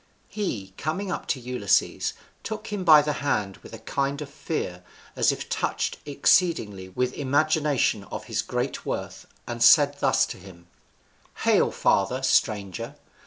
He, coming up to Ulysses, took him by the hand with a kind of fear, as if touched exceedingly with imagination of his great worth, and said thus to him, "Hail father stranger!